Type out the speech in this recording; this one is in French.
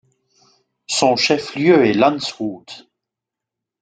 Son chef lieu est Landshut.